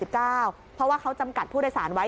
เพราะว่าเขาจำกัดผู้โดยสารไว้